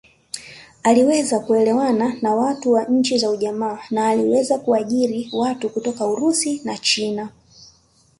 Aliweza kuelewana na nchi za ujamaa na aliweza kuajiri watu kutoka Urusi na China